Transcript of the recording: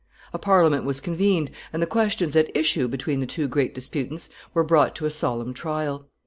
A Parliament was convened, and the questions at issue between the two great disputants were brought to a solemn trial.